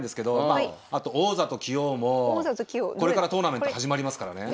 まああと王座と棋王もこれからトーナメント始まりますからね。